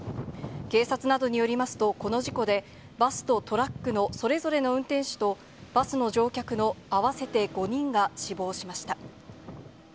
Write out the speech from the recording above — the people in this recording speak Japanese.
警察などによりますと、この事故で、バスとトラックのそれぞれの運転手と、バスの乗客の合わせて５人が死亡しました。